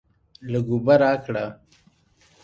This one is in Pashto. لږ اوبه راکړه.